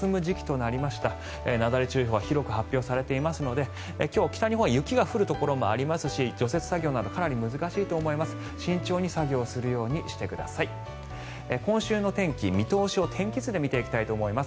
なだれ注意報が広く発表されていますので今日、北日本は雪が降るところもありますし除雪作業などかなり難しいと思います。